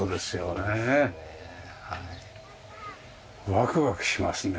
ワクワクしますね。